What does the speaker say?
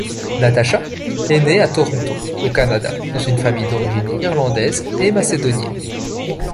Natasha est née à Toronto, au Canada, dans une famille d'origine irlandaise et macédonienne.